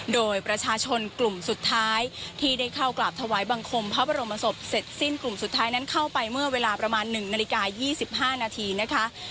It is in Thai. โดยประชาชนกลุ่มสุดท้ายที่ได้เข้ากราบถวายบังคมพระบรมศพเสร็จสิ้นกลุ่มสุดท้ายนั้นเข้าไปเมื่อเวลาประมาณ๑นาฬิกา๒๕นาทีนะคะ